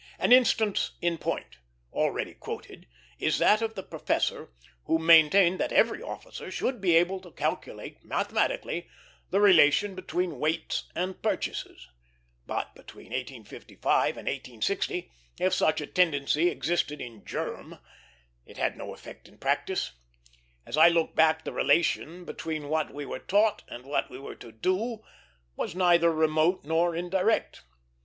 An instance in point, already quoted, is that of the professor who maintained that every officer should be able to calculate mathematically the relation between weights and purchases. But between 1855 and 1860, if such a tendency existed in germ, it had no effect in practice. As I look back, the relation between what we were taught and what we were to do was neither remote nor indirect.